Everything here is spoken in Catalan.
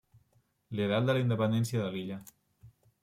L'ideal de la independència de l'illa.